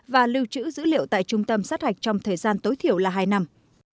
và lưu trữ dữ liệu tại trung tâm sát hạch trong thời gian tối thiểu là hai năm